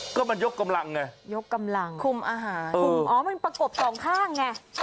ก็มันยกกำลังไงคุมอาหารอ๋อมันประกบสองข้างไง